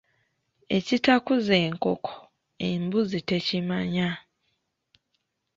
Ekitakuza enkoko, embuzi tekimanya.